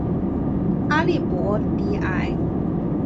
阿利博迪埃。